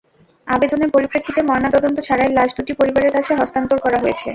আবেদনের পরিপ্রেক্ষিতে ময়নাতদন্ত ছাড়াই লাশ দুটি পরিবারের কাছে হস্তান্তর করা হয়েছে।